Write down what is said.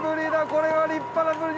これは立派なブリ